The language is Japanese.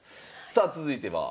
さあ続いては？